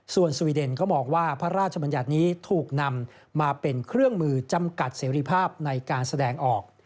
ส่วนสวีเดนก็มองว่าพระราชบัญญัตินี้ถูกนำมาเป็นเครื่องมือจำกัดเสรีภาพในการแสดงออก